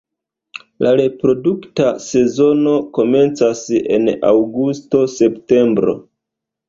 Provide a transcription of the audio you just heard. La reprodukta sezono komencas en aŭgusto-septembro.